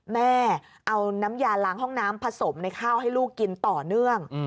แม่เอาน้ำยาล้างห้องน้ำผสมในข้าวให้ลูกกินต่อเนื่อง